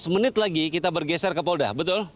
lima belas menit lagi kita bergeser ke polda betul